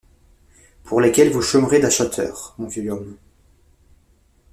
Pour lesquelles vous chômerez d’acheteurs, mon vieux homme!